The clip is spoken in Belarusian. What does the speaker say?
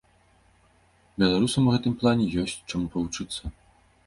Беларусам у гэтым плане ёсць, чаму павучыцца.